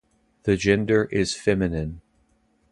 The gender is feminine.